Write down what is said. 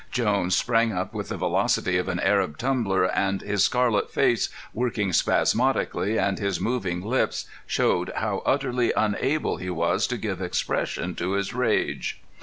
Jones sprang up with the velocity of an Arab tumbler, and his scarlet face, working spasmodically, and his moving lips, showed how utterly unable he was to give expression to his rage.